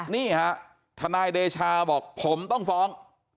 นี่ฮะทนายเดชาบอกผมต้องฟ้อง